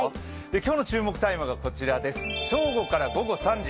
今日の注目タイムが正午から午後３時。